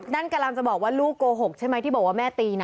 นั่นกำลังจะบอกว่าลูกโกหกใช่ไหมที่บอกว่าแม่ตีนะ